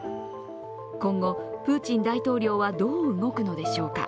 今後、プーチン大統領はどう動くのでしょうか。